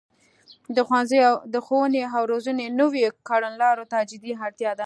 د ښوونې او روزنې نويو کړنلارو ته جدي اړتیا ده